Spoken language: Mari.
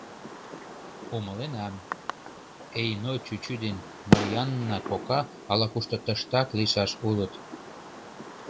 Умыленам: Эйно чӱчӱ ден Марйаана кока ала-кушто тыштак лийшаш улыт.